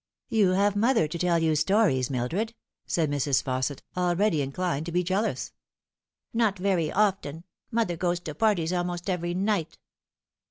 " You have mother to tell you stories, Mildred," said Mrs. Fausset, already inclined to be jealous. " Not very often. Mother goes to parties almost every night."